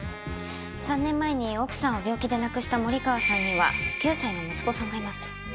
３年前に奥さんを病気で亡くした森川さんには９歳の息子さんがいます。